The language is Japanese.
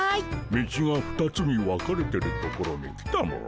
道が２つに分かれてる所に来たモ。